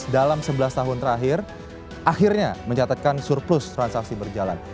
dalam sebelas tahun terakhir akhirnya mencatatkan surplus transaksi berjalan